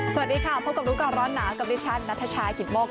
สวัสดีค่ะพบกับรู้ก่อนร้อนหนาวกับดิฉันนัทชายกิตโมก